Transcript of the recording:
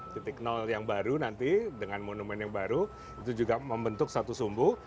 titik nol yang baru nanti dengan monumen yang baru itu juga membentuk satu sumbu